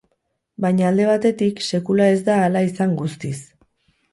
Baina alde batetik, sekula ez da hala izan guztiz.